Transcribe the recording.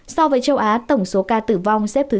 so với châu á tổng số ca tử vong xếp thứ sáu